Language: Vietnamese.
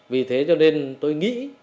vì thế cho nên tôi nghĩ